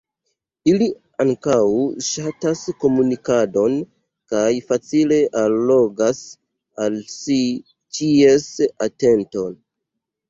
Ili ankaŭ ŝatas komunikadon, kaj facile allogas al si ĉies atenton.